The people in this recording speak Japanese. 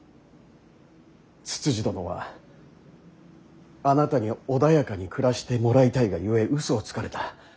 つつじ殿はあなたに穏やかに暮らしてもらいたいがゆえ嘘をつかれた。